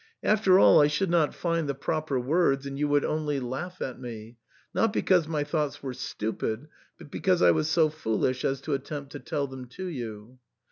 After all, I should not find the proper words, and you would only laugh at me, not because my thoughts were stupid, but because I was so foolish as to attempt to tell them to you'.